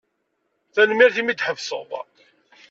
Tanemmirt imi d-tḥebsed.